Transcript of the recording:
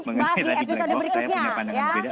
nanti bahas di episode berikutnya